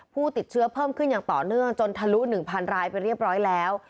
ผู้ติดเชื้อเพิ่มขึ้นอย่างต่อเนื่องจนทะลุ๑๐๐รายไปเรียบร้อยแล้ว